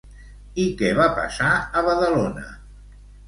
I què va passar a Badalona?